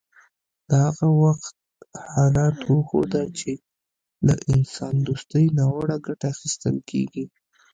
د هغه وخت حالاتو وښوده چې له انسان دوستۍ ناوړه ګټه اخیستل کیږي